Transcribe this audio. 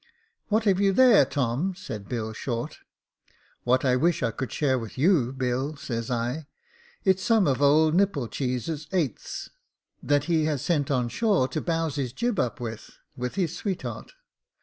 *'* What have you there, Tom ?' said Bill Short. What I wish I could share with you, Bill,' says I j * it's some of old Nipcheese's eighths, that he has sent on shore to bowse his jib up with, with his sweetheart.'